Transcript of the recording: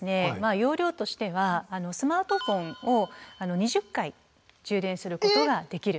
容量としてはスマートフォンを２０回充電することができるんです。